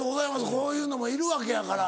こういうのもいるわけやから。